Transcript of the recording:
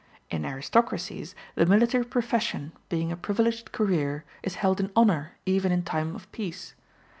In aristocracies the military profession, being a privileged career, is held in honor even in time of peace.